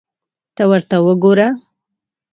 ته ورته وګوره !